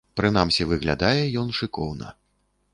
Прынамсі выглядае ён шыкоўна.